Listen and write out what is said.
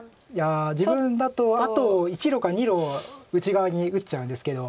自分だとあと１路か２路内側に打っちゃうんですけど。